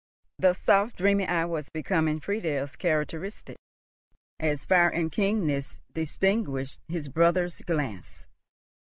The soft dreamy eye was becoming Friedel's characteristic, as fire and keenness distinguished his brother's glance.